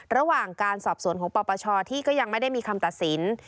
ระหว่างการสอบสวนของปปชที่ก็ยังไม่ได้มีคำตัดสิน